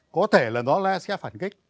có thể là nó sẽ phản kích